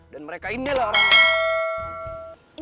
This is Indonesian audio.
dan mereka inilah orang lain